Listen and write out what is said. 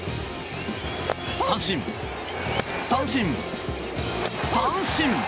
三振、三振、三振！